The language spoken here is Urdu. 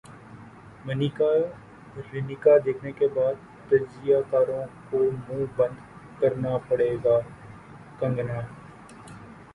منیکارنیکا دیکھنے کے بعد تجزیہ کاروں کو منہ بند کرنا پڑے گا کنگنا